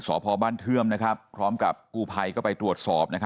สพบ้านเทื่อมพร้อมกับกู้ภัยก็ไปตรวจสอบ